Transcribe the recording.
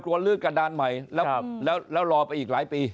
ลืดกระดานใหม่แล้วรอไปอีกหลายปี